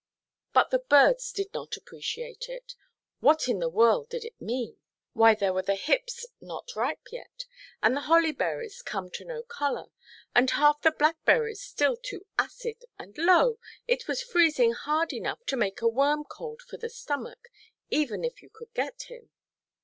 But the birds did not appreciate it. What in the world did it mean? Why, there were the hips not ripe yet, and the hollyberries come to no colour, and half the blackberries still too acid, and, lo! it was freezing hard enough to make a worm cold for the stomach, even if you could get him!